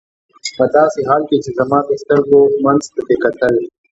په داسې حال کې چې زما د سترګو منځ ته دې کتل.